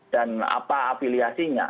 dan apa afiliasinya